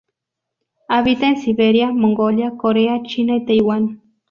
Habita en Siberia, Mongolia, Corea, China y Taiwán.